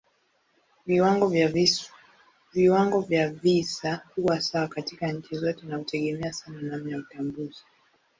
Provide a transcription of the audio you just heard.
Viwango vya visa huwa sawa katika nchi zote na hutegemea sana namna ya utambuzi.